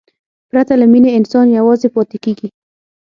پرته له مینې، انسان یوازې پاتې کېږي.